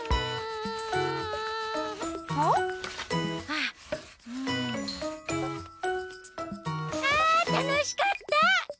あたのしかった！